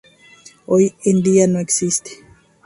Hoy en día no existe.